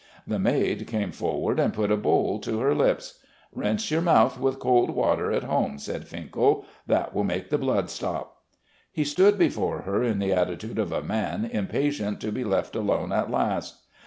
The maid came forward and put a bowl to her lips. "Rinse your mouth with cold water at home," said Finkel. "That will make the blood stop." He stood before her in the attitude of a man impatient to be left alone at last.